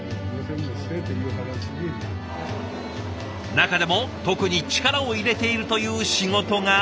中でも特に力を入れているという仕事が。